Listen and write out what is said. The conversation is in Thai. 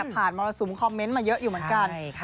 เนี่ยผ่านมาลอสุมคอมเมนต์มาเยอะอยู่เหมือนกัน